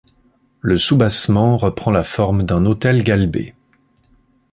Le soubassement reprend la forme d'un autel galbé.